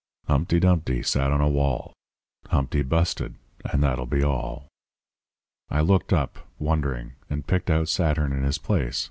"'Humpty Dumpty sat on a wall; Humpty busted, and that'll be all!' "I looked up, wondering, and picked out Saturn in his place.